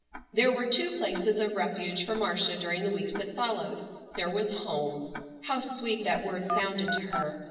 There were two places of refuge for Marcia during the weeks that followed. There was home. How sweet that word sounded to her!